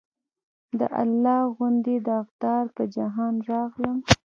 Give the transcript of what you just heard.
د الله غوندې داغدار پۀ جهان راغلم